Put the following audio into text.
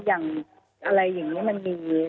อย่างอะไรอย่างนี้มันมี